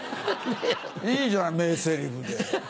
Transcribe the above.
いいじゃん名せりふで。